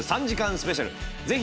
スペシャルぜひ